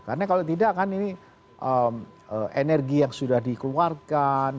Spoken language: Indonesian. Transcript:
karena kalau tidak kan ini energi yang sudah dikeluarkan